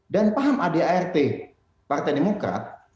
dan paham adrt partai demokrat